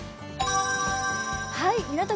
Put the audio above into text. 港区